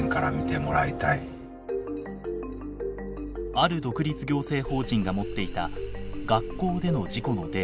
ある独立行政法人が持っていた学校での事故のデータ。